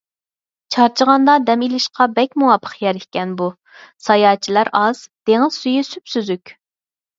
چارچىغاندا دەم ئېلىشقا بەك مۇۋاپىق يەر ئىكەن بۇ. ساياھەتچىلەر ئاز، دېڭىز سۈيى سۈپسۈزۈك.